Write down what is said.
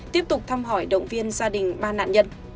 tiếp tục thăm hỏi động viên gia đình ba nạn nhân